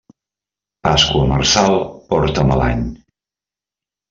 Pasqua marçal porta mal any.